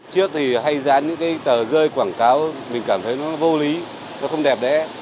trước thì hay dán những tờ rơi quảng cáo mình cảm thấy nó vô lý nó không đẹp đẽ